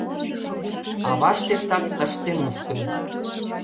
Авашт эртак тыште мушкын.